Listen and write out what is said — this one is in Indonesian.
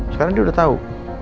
sekarang dia udah tau